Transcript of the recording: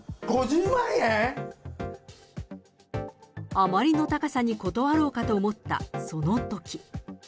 あまりの高さに断ろうかと思ったそのとき。